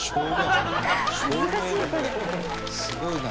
すごいな。